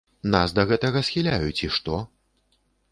Нас да гэтага схіляюць і што?